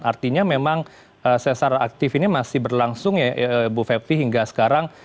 artinya memang sesar aktif ini masih berlangsung ya ibu fepti hingga sekarang